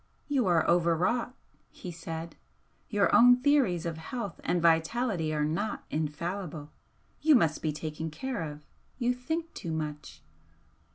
"You are overwrought," he said "Your own theories of health and vitality are not infallible! You must be taken care of. You think too much."